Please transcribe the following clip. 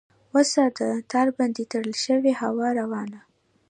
وساده ! تار باندې تړلی شي هوا روانه ؟